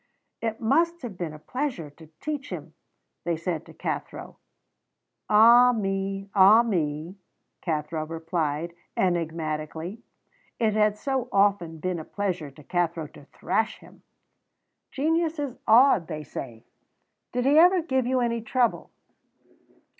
"It must have been a pleasure to teach him," they said to Cathro. "Ah me, ah me!" Cathro replied enigmatically. It had so often been a pleasure to Cathro to thrash him! "Genius is odd," they said. "Did he ever give you any trouble?"